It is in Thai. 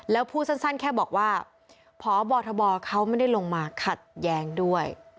แล้วพูดสั้นแค่บอกว่าเพราะว่าบรธบอร์เขาไม่ได้ลงมาขัดแย็งด้วย